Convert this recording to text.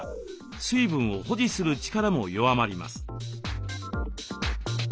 水分を保持する力も弱まります。